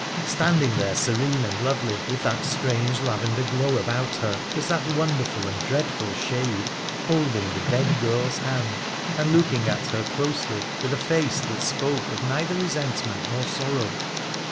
Standing there serene and lovely, with that strange lavender glow about her, was that wonderful and dreadful shade — holding the dead girl's hand and looking at her closely with a face that spoke of neither resentment nor sorrow.